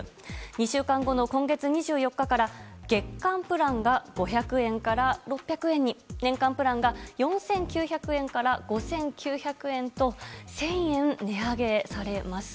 ２週間後の今月２４日から月間プランが５００円から６００円に年間プランが４９００円から５９００円と１０００円値上げされます。